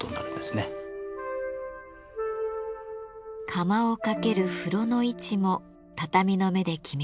釜をかける風炉の位置も畳の目で決められています。